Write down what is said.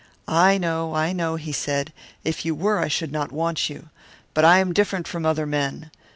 "'I know, I know,' he said. 'If you were, I should not want you. But I am different from other men.